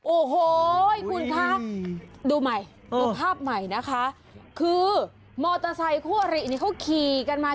โอ้โหคุณคะดูใหม่ดูภาพใหม่นะคะคือมอเตอร์ไซคู่อรินี่เขาขี่กันมา